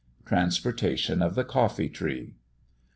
TRANSPORTATION OF THE COFFEE TREE.